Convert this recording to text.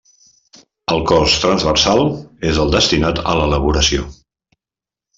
El cos transversal és el destinat a l'elaboració.